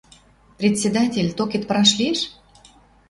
«Председатель, токет пыраш лиэш?»